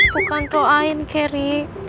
bukan doain kerry